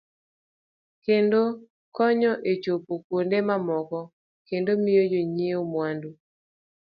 Kendo konyo e chopo kuonde mamoko kendo miyo jo ng'iewo mwandu.